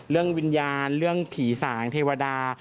เรื่องวิญญาณเรื่องผีสางเทวดา